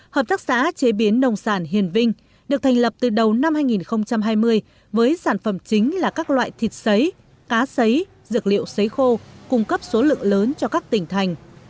hợp tác xã chế biến nông sản hiền vinh được thành lập từ đầu năm hai nghìn hai mươi với sản phẩm chính là các loại thịt xấy cá sấy dược liệu sấy khô cung cấp số lượng lớn cho các tỉnh thành